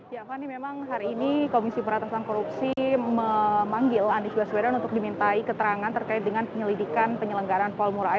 ya fani memang hari ini komisi peratasan korupsi memanggil anies baswedan untuk dimintai keterangan terkait dengan penyelidikan penyelenggaraan formula e